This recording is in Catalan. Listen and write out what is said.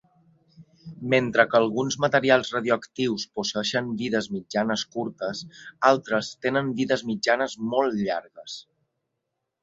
Mentre que alguns materials radioactius posseeixen vides mitjanes curtes, altres tenen vides mitjanes molt llargues.